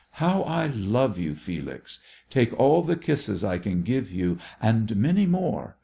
How I love you, Felix! Take all the kisses I can give you and many more.